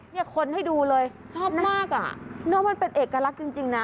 คนให้ดูเลยชอบมากอ่ะเนอะมันเป็นเอกลักษณ์จริงนะ